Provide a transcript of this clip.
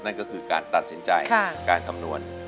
นั่นก็คือการตัดสินใจการคำนวณ